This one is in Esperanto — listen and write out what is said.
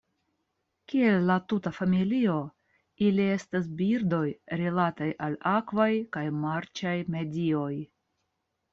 Kiel la tuta familio, ili estas birdoj rilataj al akvaj kaj marĉaj medioj.